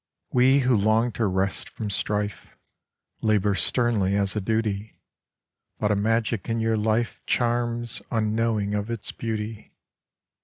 We who long to rest from strife Labour sternly as a duty ; But a magic in your life Charms, unknowing of its beauty.